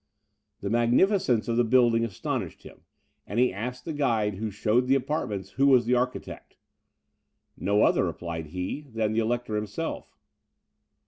The magnificence of the building astonished him; and he asked the guide who showed the apartments who was the architect. "No other," replied he, "than the Elector himself."